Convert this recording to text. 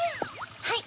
はい。